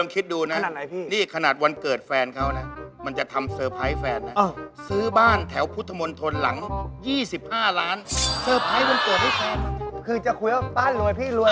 คือจะคุยว่าบ้านรวยพี่รวย